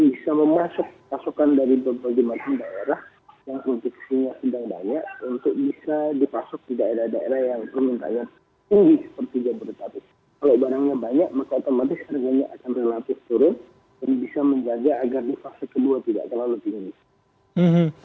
dan bisa menjaga agar di fase kedua tidak terlalu tinggi